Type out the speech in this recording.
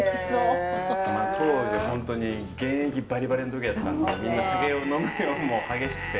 当時本当に現役バリバリの時だったんでみんな酒を呑む量も激しくて。